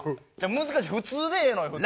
難しい普通でええのよ普通。